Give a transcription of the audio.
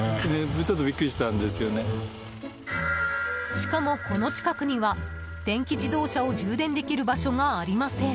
しかも、この近くには電気自動車を充電できる場所がありません。